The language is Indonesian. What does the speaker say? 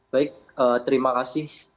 baik terima kasih